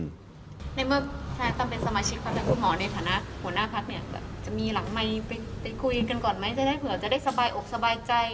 ในเมื่อทายต้ำเป็นสมาชิกความแทนคุมหอในฐานะหัวหน้าพรรค